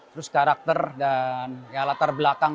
terus karakter dan ya latar belakang